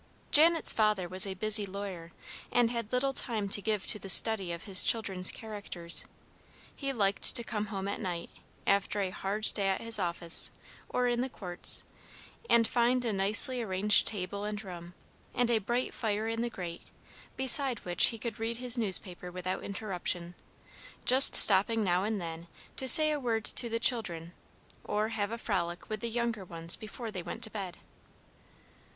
Janet's father was a busy lawyer, and had little time to give to the study of his children's characters. He liked to come home at night, after a hard day at his office, or in the courts, and find a nicely arranged table and room, and a bright fire in the grate, beside which he could read his newspaper without interruption, just stopping now and then to say a word to the children, or have a frolic with the younger ones before they went to bed.